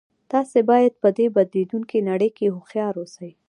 تاسې باید په دې بدلیدونکې نړۍ کې هوښیار اوسئ